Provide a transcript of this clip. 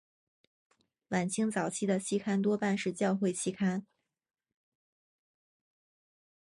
晚清早期的期刊多半是教会期刊。